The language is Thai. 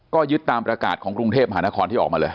ก็ยึดตามประกาศของกรุงเทพมหานครที่ออกมาเลย